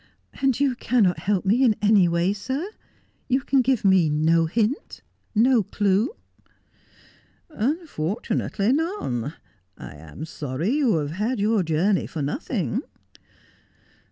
' And you cannot help me in any way, sir 1 You can give me no hint — no clue ?' On the Wing. 14$ 5 Unfortunately, none. I am sorry you have had your journey for nothing.'